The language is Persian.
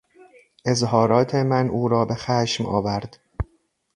اظهارات من او را به خشم آورد.